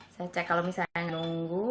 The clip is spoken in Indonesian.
saya cek kalau misalnya nunggu